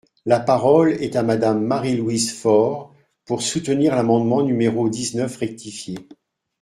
La parole est à Madame Marie-Louise Fort, pour soutenir l’amendement numéro dix-neuf rectifié.